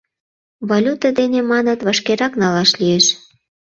Валюта дене, маныт, вашкерак налаш лиеш.